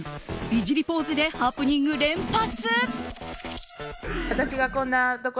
美尻ポーズでハプニング連発。